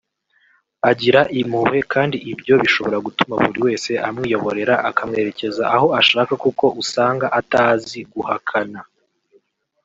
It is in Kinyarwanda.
Agira impuhwe kandi ibyo bishobora gutuma buri wese amwiyoborera akamwerekeza aho ashaka kuko usanga atazi guhakana